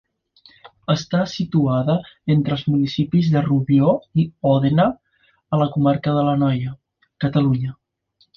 Està situada entre els municipis de Rubió i Òdena, a la comarca de l'Anoia, Catalunya.